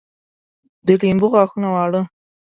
د لمبو غاښونه واړه